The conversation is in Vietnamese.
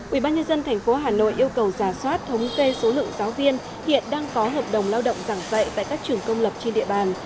ubnd tp hà nội yêu cầu giả soát thống kê số lượng giáo viên hiện đang có hợp đồng lao động giảng dạy tại các trường công lập trên địa bàn